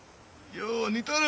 よう似とる。